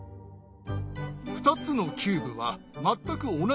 ２つのキューブは全く同じ大きさだ。